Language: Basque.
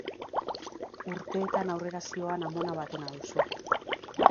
Urteetan aurrera zihoan amona batena duzu.